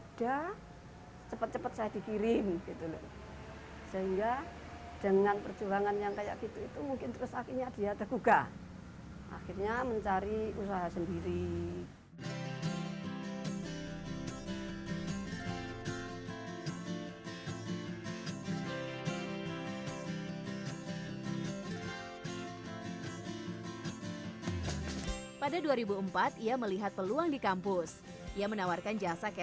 jadi lima ratus kotak per hari untuk cateringnya rata rata